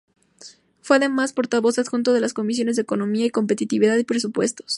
Fue, además, portavoz adjunto en las comisiones de Economía y Competitividad y Presupuestos.